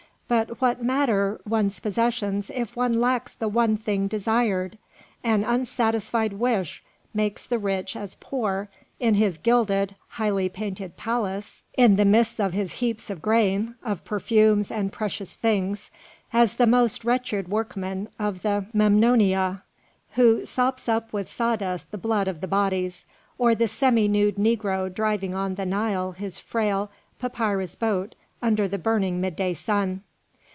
But what matter one's possessions if one lacks the one thing desired? An unsatisfied wish makes the rich as poor, in his gilded, brightly painted palace, in the midst of his heaps of grain, of perfumes and precious things, as the most wretched workman of the Memnonia, who sops up with sawdust the blood of the bodies, or the semi nude negro driving on the Nile his frail papyrus boat under the burning midday sun."